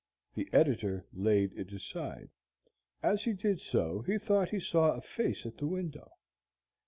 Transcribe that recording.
The editor laid it aside. As he did so he thought he saw a face at the window.